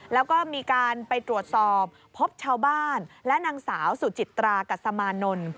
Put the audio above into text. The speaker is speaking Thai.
แล้วก็มีการไปตรวจสอบพบชาวบ้านและนางสาวสุจิตรากัสมานนท์